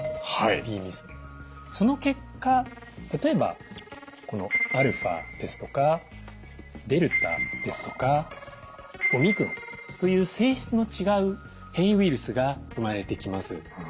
その結果例えばこのアルファですとかデルタですとかオミクロンという性質の違う変異ウイルスが生まれてきます。